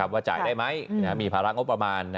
ว่าจ่ายได้ไหมมีภาระงบประมาณ